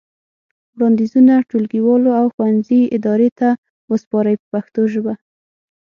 وړاندیزونه ټولګیوالو او ښوونځي ادارې ته وسپارئ په پښتو ژبه.